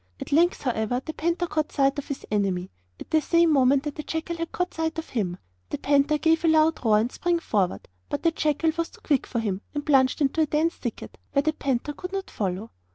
At length, however, the panther caught sight of his enemy, at the same moment that the jackal had caught sight of him. The panther gave a loud roar, and sprang forward, but the jackal was too quick for him and plunged into a dense thicket, where the panther could not follow.